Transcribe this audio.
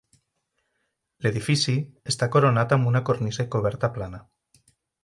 L'edifici està coronat amb una cornisa i coberta plana.